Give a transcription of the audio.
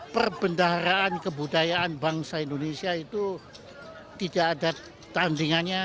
perbendaharaan kebudayaan bangsa indonesia itu tidak ada tandingannya